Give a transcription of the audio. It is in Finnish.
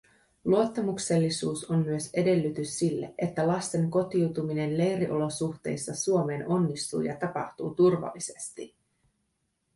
Luottamuksellisuus on myös edellytys sille, että lasten kotiutuminen leiriolosuhteista Suomeen onnistuu ja tapahtuu turvallisesti.